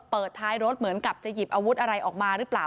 ท้ายรถเหมือนกับจะหยิบอาวุธอะไรออกมาหรือเปล่า